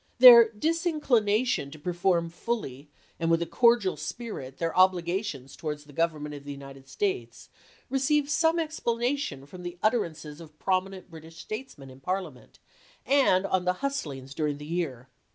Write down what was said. Their disinclination to perform fully and with a cordial spirit their obligations towards the Government of the United States receives some explanation from the utterances of prominent British statesmen in Parliament, and on the hust ings during the year.